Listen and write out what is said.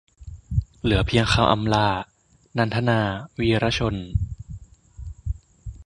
เหลือเพียงคำอำลา - นันทนา วีระชน